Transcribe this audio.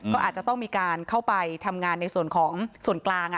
ก็อาจจะมีการเข้าไปทำงานในส่วนกลาง